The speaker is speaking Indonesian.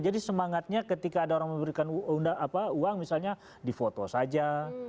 jadi semangatnya ketika ada orang memberikan uang misalnya di foto saja